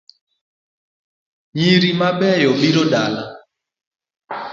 Nyiro mabeyo biro dala